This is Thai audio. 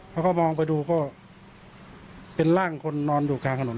แล้วก็มองไปดูก็เป็นร่างคนนอนอยู่กลางถนน